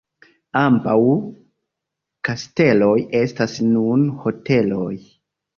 Ambaŭ kasteloj estas nun hoteloj.